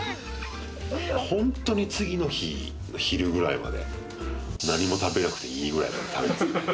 本当に次の日昼くらいまで、何も食べなくていいくらいまで食べてたね。